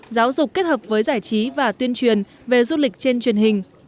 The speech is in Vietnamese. giáo dục kết hợp với giải trí và tuyên truyền về du lịch trên truyền hình